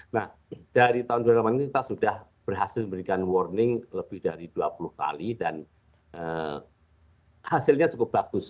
nah dari tahun dua ribu delapan ini kita sudah berhasil memberikan warning lebih dari dua puluh kali dan hasilnya cukup bagus